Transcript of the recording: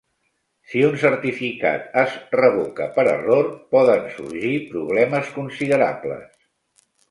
Si un certificat es revoca per error, poden sorgir problemes considerables.